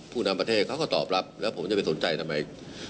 นำประเทศเขาก็ตอบรับแล้วผมจะไปสนใจทำไม